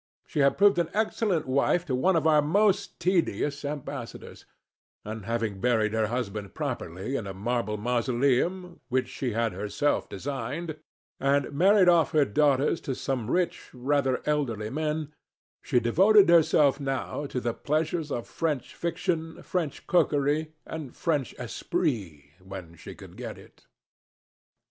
She had proved an excellent wife to one of our most tedious ambassadors, and having buried her husband properly in a marble mausoleum, which she had herself designed, and married off her daughters to some rich, rather elderly men, she devoted herself now to the pleasures of French fiction, French cookery, and French esprit when she could get it.